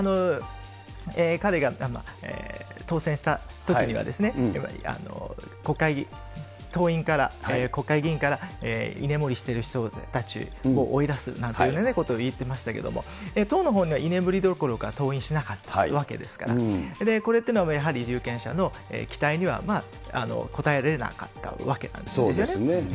彼が当選したときにはですね、登院から、国会議員から居眠りしている人たちを追い出すなんていうようなことを言ってましたけれども、当の本人は居眠りどころか登院していなかったわけですから、これっていうのはやはり有権者の期待には応えれなかったわけなんそうですね。